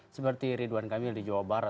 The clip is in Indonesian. seperti ridwan kamil di jawa barat